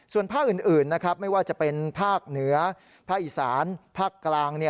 ส่วนภาคอื่นนะครับไม่ว่าจะเป็นภาคเหนือภาคอีสานภาคกลาง